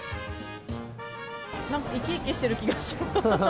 なんか生き生きしている気がします。